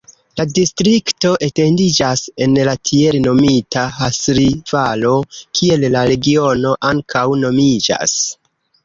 La distrikto etendiĝas en la tiel nomita Hasli-Valo, kiel la regiono ankaŭ nomiĝas.